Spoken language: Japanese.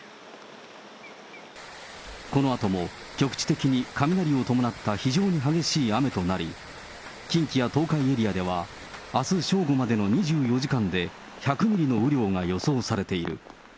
このあとも、局地的に雷を伴った非常に激しい雨となり、近畿や東海エリアでは、あす正午までの２４時間で１００ミリの雨量が予想されている。